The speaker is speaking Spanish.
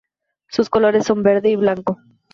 Sus colores son verde y blanco.